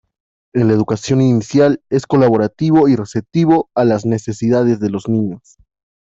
En la educación inicial es colaborativo y receptivo a las necesidades de los niños.